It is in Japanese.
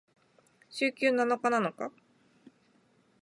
週休七日なのか？